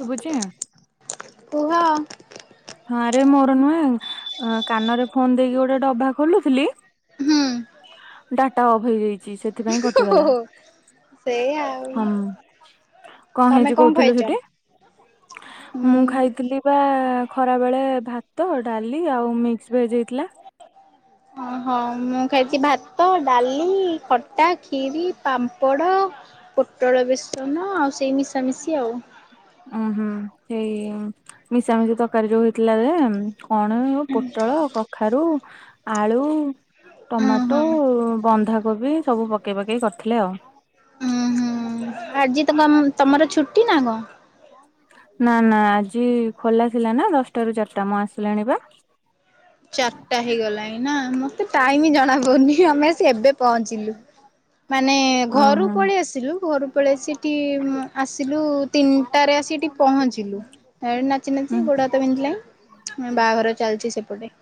ଶୁଭୁଛି। କୁହ। ହଁରେ ମୋର ନୁହେଁ କାନରେ ଫୋନ ଦେଇକି ଗୋଟେ ଡବା ଖୋଲୁଥିଲି ହୁଁ ଡାଟା ଅଫ ହେଇଯାଇଛି ସେଥିପାଇଁ କଟିଗଲା। ହୁଁ ସେଇ ଆଉ ହଁ କଣ ତମେ ହେଇଛି କହୁଥିଲୁ ଖାଇଛ? ସେଠି ମୁଁ ଖାଇଥିଲି ବା ଖ ଖରା ବେଳେ ଭାତ ଡାଲି ଆଉ ମିକ୍ସଭେଜ ହେଇଥିଲା। ହଁ। ହଁ ମୁଁ ଖାଇଛି ଭାତ ଡାଲି ଖଟା ଖିରି ପାମ୍ପଡ଼। ପୋଟଳ ବେସନ ଆଉ ସେଇ ମିଶାମିଶି ଆଉ। ଉଁ ହୁଁ ସେଇ ମିଶାମିଶା ତରକାରୀ ଯୋଉ [unintelligible] ପିଲ ଯେ କଣ ପୋଟଳ କଖାରୁ ଆଳୁ ଉଁ ହୁଁ ଟମାଟୋ ବନ୍ଧାକୋବି ସବୁ ପକେଇ ପକେଇ କରିଥିଲେ ଆଉ। ଉୁଁ ହୁଁ ଆଜି ତମ ତମର ଛୁଟି ନା କଣ? ନା ନା ଆଜି ଖୋଲା ଥିଲା ନା ଦଶଟା ରୁ ଚାରିଟା ମୁଁ ଆସିଲିଣୀ ପା। ଚାରିଟା ହେଇଗଲାଣି। ମୀନା ମତେ ଟାଇମ ଜଣା ପଉନି ଆମେ ଆ ଏବେ ପହଞ୍ଚିଲୁ। ମାନେ ଘରୁ ପଳେଇ ଓହୋ ଆସିଲୁ ଘରୁ ସେତେବେଳେ ସେଠି ଆସିଲୁ ତିନିଟାରେ ଆସି ସେଠି ପହଞ୍ଚିଲୁ। ନାଚି ନାଚି ଗୋଡ଼ ହାତ ବିନ୍ଧିଲାଣି ବାହାଘର ଚାଲିଛି ସେପଟେ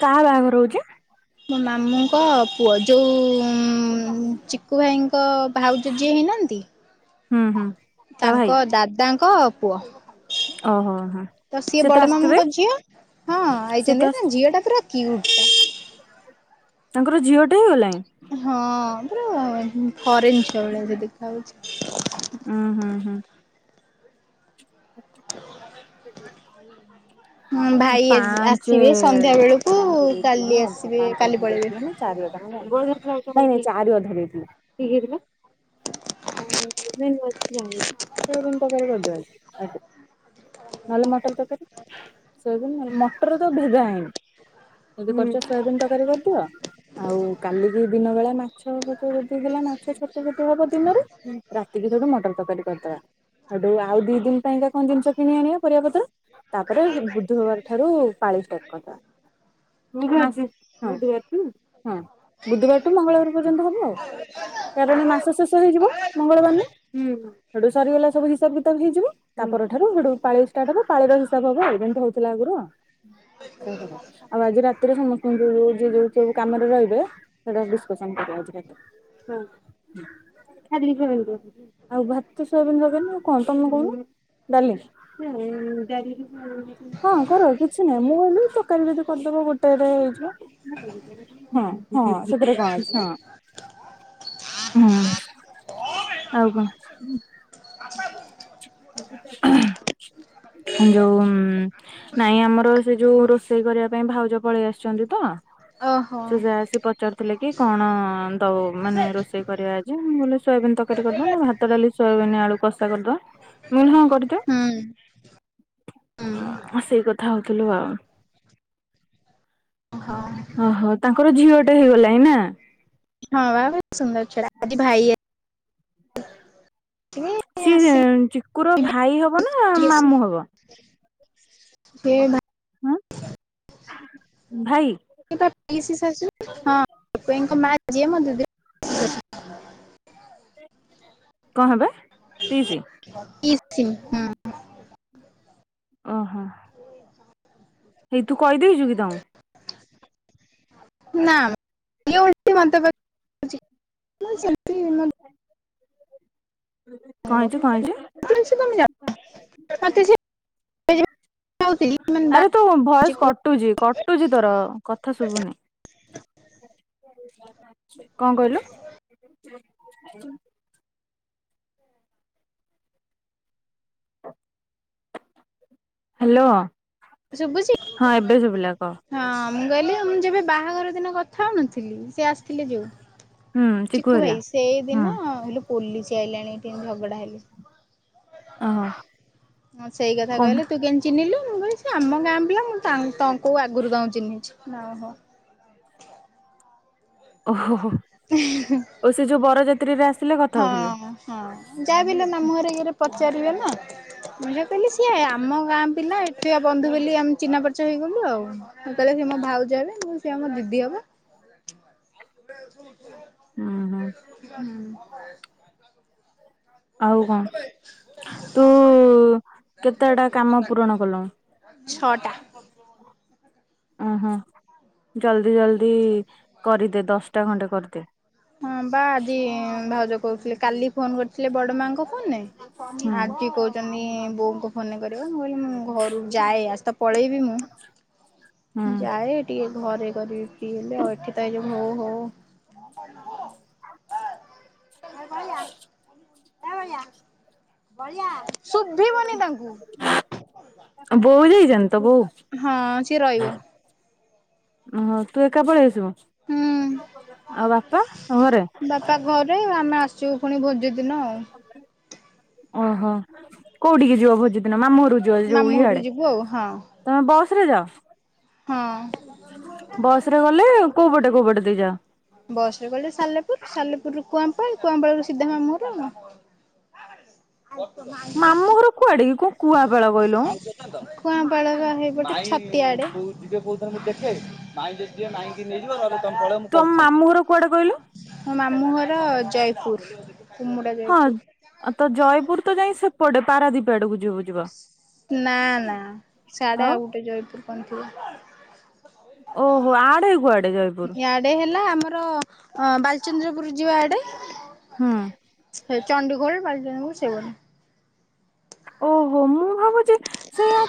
କାହା ବାହାଘର ହଉଚି। ମୋ ମାମୁଁଙ୍କ ପୁଅ ଯୋଉ ଚିକୁୁ ଭାଇଙ୍କ ଭାଉଜ ଯିଏ ହେଇନି ଛନ୍ତି। ହୁଁ ହୁଁ ତା ଭାଇ। ଙ୍କ ପୁଅ। ଓହୋ। ତ ସିଏ ସେ ବଡ ଆସିଥିବେ ମାମୁଙ୍କ ଝିଅ ହଁ ସେ ତ ଆଇଛନ୍ତି ଝିଅ ଟା ପୁରା କିଉଟ ଟା। ତାଙ୍କର ଝିଅଟେ ହେଇ ଗଲାଣି? ହଁ ପୁରା ଉ ଫରେନ୍ ଛୁଆ ଭଳିଆ ସେ ଉୁଁ ହୁଁ ଦେଖାଯାଉଛି। ହୁଁ। [inaudible] [inaudible] ହଁ ଭାଇ ଆଜି ପାଞ୍ଚ ଆସିବେ ସନ୍ଧ୍ୟା ବେଳକୁ ପାଞ୍ଚ ଦେଇଥିଲେ କାଲି ଆସିବେ କାଲି ପଳେଇବେ। ଥିଲା ଚାରି ଅଧ ଦେଇଥିଲା ଠିକ ହେଇଥିଲା। [unintelligible] ନହେଲେ ମଟର ତରକାରୀ ସେ ମଟର ତରକାରୀ ଭେଦା ହେଇନି ଯଦି ପାରୁଛ ସୋୟାବିନ ତରକାରି କରିଦିଅ। ଆଉ କାଲିକି ଦିନ ବେଳା ମାଛ ଦେଇ [unintelligible] ଦେଲାନା। ସେ ଛ ଫତୁ ହବ ଦିନରେ ରାତିକି ସେଇଟୁ ମଟର ତରକାରୀ କରିଦବା ସେଠୁ ଆଉ ଦି ଦିନ ରେ କଣ ଜିନିଷ କିଣି ଆଣିବା ପରିବାପତ୍ର ତାପରେ ବୁଧବାର ଠାରୁ ପାଳି ଷ୍ଟାର୍ଟ କରିଦେବା। ବୁଧବାରୁ ବୁଧବାର ଠୁ ମଙ୍ଗଳବାର ପର୍ଯ୍ୟନ୍ତ ହବ ଆଉ। [unintelligible] ଶେଷ ଶେଷ ହେଇଯିବ ମଙ୍ଗଳବାର ଦିନ ସେଟୁ ସରିଗଲା ସବୁ ହିସାବ କିତାବ ହେଇଯିବ। ପର ଠାରୁ ସେଠୁ ପାଳି ଷ୍ଟାର୍ଟହବ ପାଳିର ହିସାବ ହବ ଯେମତି ହଉଥିଲା ଆଗରୁ। ସେପଟ ଆଉ ଆଜି ରାତିରେ ସମସ୍ତଙ୍କୁ ଯୁ ଯୋଉ ଯୋଉ ସବୁ କାମରେ ରହିବେ। ସେଇଟା ଆଜି ଡିସ୍କସନ୍ କରିବା ଆଜି ରାତିରେ। ଆଉ ଭାତ ସୋୟାବିନ ତରକାରୀ ନୁହଁ ଆଉ କଣ ତମେ କହୁନ? ଡାଲି ହଁ କର କିଛି ନାହିଁ ମୁଁ କହିଲୁ ତରକାରୀ ଯଦି କରିଦବ ଗୋଟେରେ ହେଇ ଯିବ ହିଁ ହିଁ ସେଥିରେ କଣଅଛି ହଁ। [unintelligible] ହୁଁ ଆଉ କଅଣ? [unintelligible] ଯୋଉ ନାଇଁ ଆମର ସେ ଯୋଉ ରୋଷେଇ କରିବା ପାଇଁ ଭାଉଜ ପଳେଇ ଆସିଛନ୍ତି ତ ଓହୋ। ଯୋଉ ଯା ଆସିକି ପଚାରୁଥିଲେ କି କଣ ଦଉ ମାନେ ରୋଷେଇ କରିବା ଆଜି ମୁଁ କହିଲି ସୋୟାବିନ ତରକାରି କରିଦବା ନା ଭାତ ଡାଲି ସୋୟାବିନ ଆଳୁ କଷା କରିଦବା। ମୁଁ କହିଲି ହଁ କରିଦିଏ ହୁଁ ହୁଁ। ସେଇ କଥା ଆଉ। ଥିଲୁ ଆଉ। ହଁ। ଓହୋ ତାଙ୍କର ଝିଅ ଟେ ହେଇଗଲାଣି ନା? ହଁ ବା ସୁନ୍ଦର ଝିଅ ଟା ଆଜି ଭାଇ ଆ ସିଏ ଚିକୁର ଭାଇ ହବ ନା ମାମୁଁ ହବ। ସେ ହଁ ଭାଇ। ସେ ପା ପିସି ଶାଶୁ ହଁ ମା ଜିଏ ମୋ ଜେ କଣ ହେବେ? ପିଇସି ପି ସିମ୍ ହୁ। ଓହୋ ଏଇ ତୁ କହିଦେଉଛୁକି ତାଙ୍କୁ? ନା [unintelligible] [unintelligible] କଣ ହେଇଚି କଣ ହେଇଚି? ସାଙ୍ଗ ସେ ତମେ ଜାଣ ମତେ ସେ କହୁଥିଲି ମାନେ ଆରେ ତୁ ବାହାରୁଚି ଭଏସ୍ କଟୁଚି କଟୁଚି ତୋର କଥା ଶୁବୁନି। [inaudible] କଣ କହିଲୁ? ହାଲୋ। ଶୁବୁଚି? ହଁ। କହ ମୁଁ କହିଲି ମୁଁ ଯେବେ ବାହାଘର ଦିନ କଥା ହୋଉନଥିଲି। ସେ ଆସିଥିଲେ ଯୋଉ ହୁଁ ଚିକୁ ହେରିଆ ଭାଇ ହୁଁ ସେଇଦିନ ହେଇଲୋ ପୋଲିସ ଆଇଲାଣି ଏଠି ଏଇନୁ ଝଗଡା ହେଇ ହଁ ଓହୋ ସେଇ କଥା କହିଲେ। କଣ ତୁ କେମିତି ଚିହ୍ନିଲୁ। ମୁଁ କ ଏ ଆମ ଗାଁ ପିଲା ମୁଁ ତା ତ କୋଉ ଆଗରୁ ତାଙ୍କୁ ଚିହ୍ନିଚି। ନା ଓହୋ। ଓହୋ ହୋ ଓ ସେ ଯୋଉ ବରଯାତ୍ରୀରେ ଆ ହଁ ହଁ ହଁ ଯାହାବି ହେଲେ ମାମୁଁ ଘର ଇଏରେ ପଚାରିବେ ନା। ମୁଁ ତାକୁ କହିଲି ସିଏ ଆମ ଗାଁ ପିଲା। ଏଠିକା ବନ୍ଧୁ ବୋଲି ଆମେ ଚିହ୍ନା ପରିଚୟ ହେଇଗଲୁ ଆଉ [unintelligible] କହିଲେ ସିଏ ମୋ ଭାଉଜ ହେବେ ମୁଁ ସେ ଆମ ଦିଦି ହବ। ହୁଁ ହୁଁ ହୁଁ। ଆଉ କ‌ଅଣ ତୁ କେତେଟା କାମ ପୂରଣ କଲୁଣି? ଛଅଟା। ଉଁ ହୁଁ ଜଲଦି ଜଲଦି କରିଦେ ଦଶଟା ଖଣ୍ଟେ କରିଦେ। ହଁ ପା ଆଜି ଭାଉଜ କୋହୁଥିଲେ କାଲି ଫୋନ୍ କରିଥିଲେ ବଡ ମାଙ୍କ ଫୋନରେ। ହୁଁ ଆଜି କୋହୁଚନ୍ତି ବୋଉଙ୍କୁ ଫୋନରେ କରିବ। ମୁଁ କହିଲି ମୁଁ ଘରୁ ଯାଏ। ଆଜି ତ ପଳେଇବି ମୁଁ। ମୁଁ ହୁଁ ଯାଏ ଟିକେ ଘରେ କରିବି ଫ୍ରି ହେଲେ ଆଉ ଏଠି ତ ଏଇ ଯୋଉ ଘୁଁ ଘୁଁ। ‌ଏ ବଳିଆ। ବଳିଆ ଶୁଭିବନି ତାଙ୍କୁ। ବୋଉ ଯାଇଛନ୍ତି ତ ବୋଉ ହଁ ସିଏ ରହିବ। ଓହୋ ତୁ ଏକା ପଳେଇ ଆସିବୁ? ହୁଁ। ଆଉ ବାପା ଘରେ ବାପା ଘରେ ଆମେ ଆସିବୁ ଫୁଣି ଭୋଜି ଦିନ ଆଉ। ଓହୋ କୋଉଠିକି ଯିବ ଭୋଜି ଦିନ ମାମୁଁ ଘ [unintelligible] ରଜ ଆଜି ଯୋଉ ମାମୁଁ ଘରକୁ ଇଆଡେ ଯିବୁ ଆଉ ତମେ ବସରେ ଯାଅ? ହଁଅଁ। ବସରେ ଗଲେ କୋଉ ପଟେ କୋଉ ପଟେ ଦେଇ ଯାଅ? ବସରେ ଗଲେ ସାଲେପୁର ସାଲେପୁରରୁ କୁଆଁ ପାଳ କୁଆଁପାଳରୁ ସିଧା ମାମୁ ଘର ଆଉ। ମାମୁଁ [unintelligible] ଘର କୁଆଡେ କି କୋଉ କୁଆପାଳ କହିଲୁ [unintelligible] କୁଆଁପାଳ ପା ହେଇପଟେ ଛତିଆ ଆଡେ ମୁଁ ତାଙ୍କୁ ଦେଖେ ମାଁଇ ଯଦି ଯିବେ ମାଁଇକି ନେଇଯିବ ନହେଲେ [unintelligible] ତମ କହୁଛି ସାଙ୍ଗେ ମାମୁଁ ସାଙ୍ଗେ। ଘର କୁଆଡେ କହିଲୁ? ମୋ ମାମଁ ଘର ଜୟପୁର। କୁମୁଡା ହଁ ଜୟପୁର ଅ ତ ଜୟପୁର ତ ଯାଇଁ ସେପଟେ ପାରାଦ୍ୱୀପ ଆଡକୁ। ଯିବୁ ଯିବ ନାଁ ନାଁ ସ୍ୟାଢେ ଆଉ ଗୋଟେ ଜୟପୁର କଣ ଥିବ। ଓହୋ ଆଡେ କୁଆଡେ ଜୟପୁର? ଇଆଡେ ହେଲା ଆମର ବାଲିଚନ୍ଦ୍ରପୁର ଯିବ ଆଡେ। ହୁଁ। ସେ ଚଣ୍ଡୀଖୋଲ ବାଲିଚନ୍ଦ୍ରପୁର ସେ [unintelligible] ଓହୋ ମୁଁ ଭାବୁଚି ଉଁ ସେୟା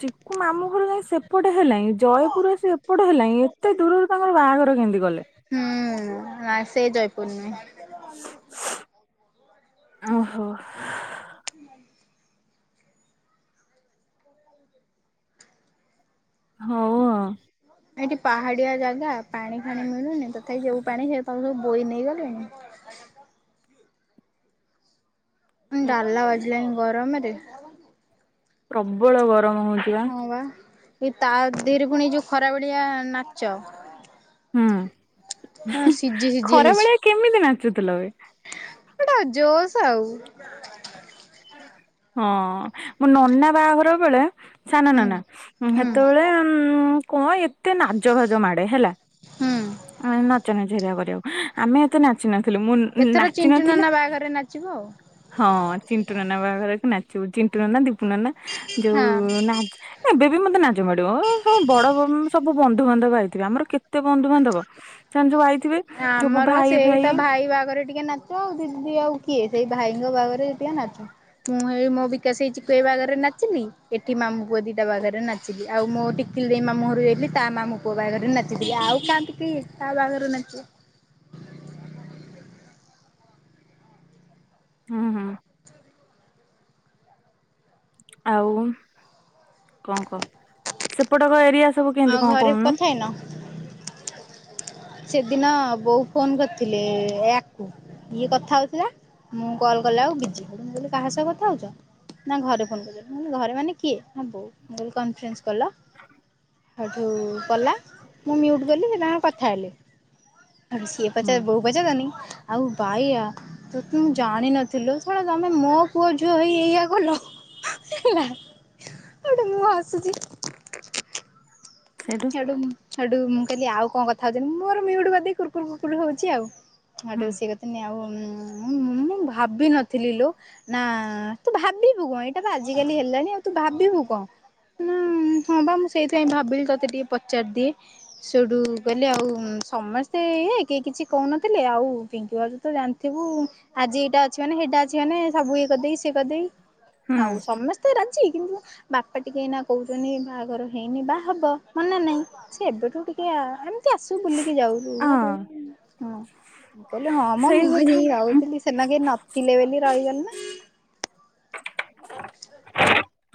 ଚିକୁ ମାମୁଁ ଘର ଯାଇ ସେପଟେ ହେଲାଣି ଜୟପୁର ଆସି ଏପଟେ ହେଲାଣିଁ ଏତେ ଦୂରରୁ ତାଙ୍କର ବାହାଘର କେମିତି କଲେ। ହୁଁ ନା ସେଇ ଜୟପୁର ନୁହେଁ। ଓହୋ। ହଉ ଆଉ। ଏଠି ପାହାଡିଆ ଜାଗା, ପାଣି ଫାଣି ମିଳୁନି ତଥାପି ଯୋଉ ପାଣି ସେ ପାଣି ସବୁ ବୋଇ ନେଇ ଗଲେଣି ଡାଲା ବାଜିଲାଇଁ ଗରମରେ ପ୍ରବଳ ଗରମ ହଉଛି ବା। ଏ ତା ଧିଏରେ ପୁଣି ଯୋଉ ଖରା ବେଳିଆ ନାଚ ହୁଁ ହଁ ହୁଁ ସିଝି ଖରାବେଳିଆ କେମିତି ନାଚୁଥିଲ ବେ? ଗୋଟା ଆଉ ଜୋସ୍ ଆଉ। ହଁ ମୋ ନନା ବାହାଘର ବେଳେ ସାନ ହୁଁ ନନା। ହୁଁ ସେତେବେଳେ ଉମ୍ କଣ ଏତେ ନାଜ ଫାଜ ମାଡେ ହେଲା। ହୁଁ ଏ ନଚା ନଚି ହେରିକା କରିବାକୁ। ଆମେ ଏତେ ନାଚି ନ ଥିଲି। ମୁଁ-ଉଁ ଏଥର ନାଚି ଚିଣ୍ଟୁ ନଥିଲୁ ନନା ବାହାଘରେ ନାଚିବ ହଁ ଚିଣ୍ଟୁନନା ବାହାଘରକୁ ନାଚିବୁ। ଚିଣ୍ଟୁନନା, ଦି ପୁ ନନା। ଆଉ ଯୋଉ ନାଜ ଏବେ ବି ମତେ ନାଜ ମାଡିବ। ଓ ହୋ ବଡ ବ ସବୁ ବନ୍ଧୁବାନ୍ଧବ ଆଇଥିବେ। ଆମର କେ କେତେ ବନ୍ଧୁବାନ୍ଧବ। ସେମାନେ ଯୋଉ ଆଇଥିବେ, ହଁ ସବୁ ଆମର ଭାଇ ସେଇ ତ ଫାଇ ଭାଇ ବାହାଘରେ ଟିକେ ନାଚ ଆଉ ଦିଦି ଆଉ କିଏ ସେଇ ଭାଇଙ୍କ ବାହାଘରରେ ଯେତିକ ନାଚନ୍ତି। ମୁଁ ହେଇ ମୋ ବିକାଶ ଭାଇ ଚିକୁ ଭାଇ ବାହାଘରରେ ନାଚିଲି, ଏଠି ମା ମାମୁଁ ପୁଅ ଦିଟା ବାହାଘରରେ ନାଚିଲି। ଆଉ ମୋ ଟିକିଲି ଦେଇ ମାମୁଁଘରକୁ ଯାଇଥିଲି, ତା ମାମୁଁ ପୁଅ ବାହାଘରରେ ନାଚିଥିଲି। ଆଉ ଥାନ୍ତେ କିଏ ତା ବାହାଘରକୁ ନାଚିବ। ହୁଁ ହୁଁ। ଆଉ କଣ କହ? ସେପଟ କ ଏରିଆ ସବୁ ଆଉ କେମତି କଣ ଘରେ କହୁନୁ? କଥା ହେଇନ ସେଦିନ ବୋଉ ଫୋନ କରିଥିଲେ ୟାକୁ, ଇଏ କଥା ହଉଥିଲା ମୁଁ କଲ୍ କଲାଉକୁ ବିଜି। ସୋଉଠୁ ମୁଁ କହଲି କାହା ସହ କଥା ହଉଚ? ନା ଘରେ ଫୋନ୍ କରିଛନ୍ତି। ମୁଁ କହିଲି ଘରେ ମାନେ କିଏ? ନା ବୋଉ। ମୁଁ କହିଲି କନଫରେନ୍ସ କଲ। ହେଉଠୁ କଲା, ମୁଁ ମ୍ୟୁଟ୍ କଲି ସେ ତାଙ୍କର କଥା ହେଲେ। ସେଇଠୁ ସିଏ ପଚା ହୁଁ। ବୋଉ ପଚାରୁଚନ୍ତି, ଆଉ ବାଇଆ ତତେ ମୁଁ ଜାଣିନଥିଲୁ ଲୋ। ଶଳା ତମେ ମୋ ପୁଅ ଝୁଅ ହେଇ ଏଇଆ କଲ। ହେଲା। ସୋଉଟୁ ମୁଁ ହସୁଛି। ସେଇଠୁ ସେଉଟୁ ସେଉଟୁ ମୁଁ କହିଲି ଆଉ କଣ କଥା ହଉଚନ୍ତି। ମୁଁ ମୋର ମ୍ୟୁଟ କରିଦେଇ କୁରକୁର କୁରକୁର ହଉଛି ଆଉ। ସୋଉଟୁ ହୁଁ ସିଏ କହୁଛନ୍ତି ଆଉ ମୁଁ ଭାବିନଥିଲି ଲୋ, ନା ତୁ ଭାବିବୁ କଣ ଏଇ ସିଏବା ଆଜିକାଲି ହେଲାଣି ଆଉ ତୁ ଭାବିବୁ କଣ? ନାଁ ହଁ ବା ମୁଁ ସେଇଥିପାଇଁ ଭାବିଲି ତତେ ତତେ ଟିକେ ପଚାରି ଦିଏ। ସୋଉଠୁ କହିଲେ ଆଉ ସମସ୍ତେ ଇଏ କେହି କିଛି କହୁନଥିଲେ ଆଉ ହଉ ପିଙ୍କି ଭାଉଜ ତ ଜାଣିଥିବୁ, ଆଜି ଏଇଟା ଅଛି ମାନେ ହେଇଟା ଅଛି ମାନେ, ସବୁ ଇଏ କରିଦେଇକି ସିଏ କରିଦେବି ହୁଁ ଆଉ ସମସ୍ତେ ରାଜି କିନ୍ତୁ ବାପା ଟିକେ ଏଇନା କହୁଛନ୍ତି ବାହାଘର ହେଇନି ବାହା ହବ ମନା ନାହିଁ। ସେ ଏବେଠୁ ଟିକେ ଏମତି ଆସୁ ବୁଲିକି ଯାଉ। ରୁୁହା ହଁ ରୁହି ହଁ ମୁଁ କହିଲି ହଁ ମ ସେଇ ମୁଁ କ କଥା ଯାଇ ରହୁଥିଲି। ସେଦିନ କେହି ନଥିଲେ ବୋଲି ରହିଗଲି ନା।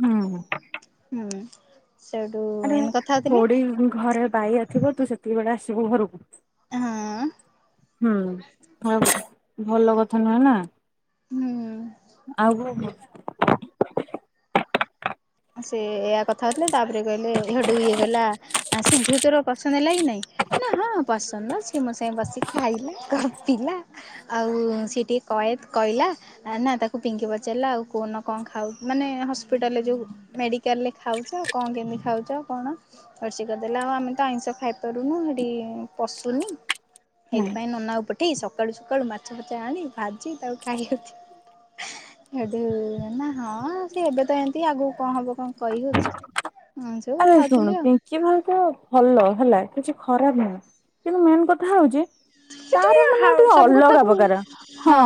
ହୁଁ ହୁଁ। ହୁଁ। ସେଇଠୁ ଆରେ ଏମିତି କଥା ହଉଥିଲି ଥୋଡି ଘରେ ବାୟା ଥିବ ତୁ ସେତିକି ବେଳେ ଆସିବୁ ଘରକୁ ହଁ। ହୁଁ ଭଲ କଥା ନୁହେଁ ନା ହୁଁ। ଆଉ କଣ କହୁଚୁ? ସେ ଏୟା କଥା ହଉଥିଲେ ତାପରେ କହିଲେ ହେଇଠୁ ଇଏ କହିଲା, ସିଏ ଝିଅ ତୋର ପସନ୍ଦ ହେଲା କି ନାଇଁ? ନା ହଁ ପସନ୍ଦ। ସିଏ ମୋ ସାଙ୍ଗେ ବସି ଖାଇଲା, ଗପିଲା ଆଉ ସିଏ ଟିକେ କଏଦ କଇଲା, ନା ତାକୁ ପିଙ୍କି ପଚାରିଲା ଆଉ କହୁନ କଣ ଖାଉ ମାନେ ହସ୍ପିଟାଲରେ ଯୋଉ ମେଡ଼ିକାଲରେ ଖାଉଛ କଣ କେମିତି ଖାଉଛ ଆଉ କଣ? ସୋଉଟୁ ସିଏ କହିଦେଲା ଆଉ ଆମେ ତ ଆଇଁଷ ଖାଇପାରୁନୁ ସେଠି ପଶୁନି ସେଇଥିପାଇଁ ନନାକୁ ପଠେଇ ସକାଳୁ ସକାଳୁ ମାଛ ଫାଛ ଆଣି ଭାଜି ତାକୁ ଖାଇଉଛି ସେଠୁ ନା ହଁ ସେ ଏବେ ତ ଏମିତି ଆଗକୁ କଣ ହବ କଣ କହି ହଉଛି? ହଁ ସବୁ ଆରେ କଥା ହଉଥିଲି ଶୁଣ ଆଉ ପିଙ୍କି ଭାଉଜ ଭଲ ହେଲା। କିଛି ଖରାପ ନୁହେଁ କିନ୍ତୁ ମେନ୍ କଥା ହଉଛି। ହ [inaudible] ସେ ତାର ଟିକେ ମାନେ ହାଉ ଟିକେ ସବୁ ଅଲଗା କଥାକୁ ପ୍ରକାର ହଁ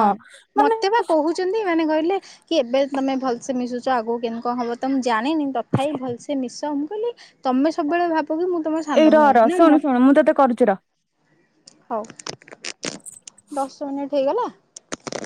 ମାନେ ମତେ ବା କହୁଛନ୍ତି ମାନେ କହିଲେ କି ଏବେ ତମେ ଭଲସେ ମିଶୁଛ ଆଗକୁ କେମ କଣ ହବ ତ ମୁଁ ଜାଣିନି ତଥାପି ଭଲସେ ମିଶୁ ତ ମୁଁ କହିଲି ତମେ ସବୁବେଳେ ଭାବ କି ମୁଁ ତମ ଏଇ ସାନ ର ର ଭଉଣୀ ନା ଶୁଣୁ ମ ଶୁଣୁ ମୁଁ ତତେ କରୁଛି ର। ହଉ ଦଶ ମିନିଟ ହେଇଗଲା?